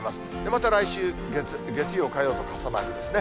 また来週月曜、火曜と傘マークですね。